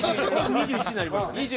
２１になりましたね。